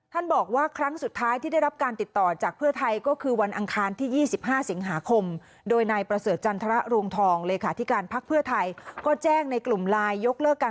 ท่านบอกว่าครั้งสุดท้ายที่ได้รับการติดต่อจากเพื่อไทย